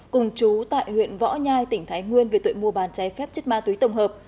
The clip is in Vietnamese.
cùng chú tại huyện võ nhai tỉnh thái nguyên về tội mua bàn cháy phép chất ma túy tổng hợp